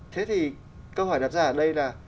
thế thì câu hỏi đặt ra ở đây là